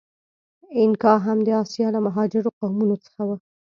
اینکا هم د آسیا له مهاجرو قومونو څخه و.